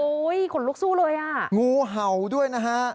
ขนลุกสู้เลยอ่ะงูเห่าด้วยนะฮะ